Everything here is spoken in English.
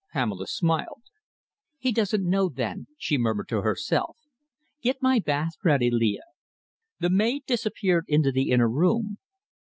Pamela smiled. "He doesn't know, then," she murmured to herself. "Get my bath ready, Leah." The maid disappeared into the inner room.